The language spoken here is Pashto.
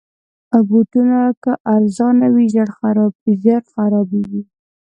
بوټونه که ارزانه وي، ژر خرابیږي.